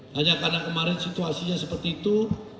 hanya karena kemarin situasinya seperti itu